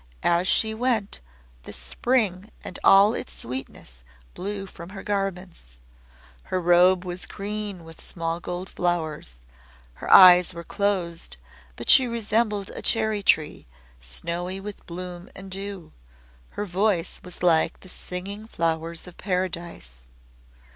As she went, the Spring and all its sweetness blew from her garments. Her robe was green with small gold flowers. Her eyes were closed, but she resembled a cherry tree, snowy with bloom and dew. Her voice was like the singing flowers of Paradise."